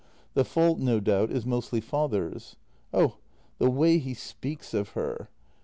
The fault, no doubt, is mostly father's. Oh, the way he speaks of her."